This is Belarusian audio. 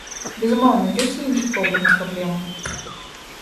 Безумоўна, ёсць і іншы погляд на праблему.